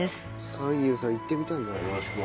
三友さん行ってみたいね。